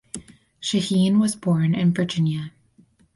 Shaheen was born in Virginia.